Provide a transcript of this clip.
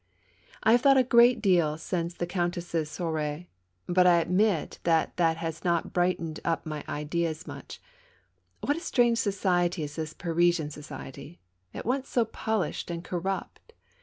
I have thought a great deal since the Countess' soiree, 82 SALON AND THEATRE. but I admit that that has not brightened up my ideas much. What strange society is this Parisian society, at once so polished and corrupt!